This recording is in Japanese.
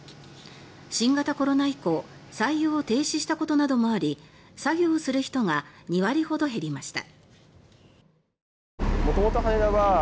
新型コロナ以降採用を停止したことなどもあり作業をする人が２割ほど減りました。